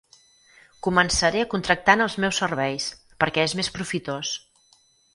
Començaré contractant els meus serveis, perquè és més profitós.